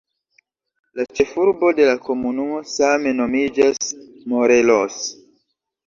La ĉefurbo de la komunumo same nomiĝas "Morelos".